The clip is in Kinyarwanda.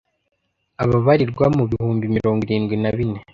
ababarirwa mu bihumbi mirongo irindwi na bine